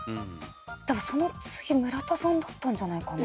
たぶんその次村田さんだったんじゃないかな。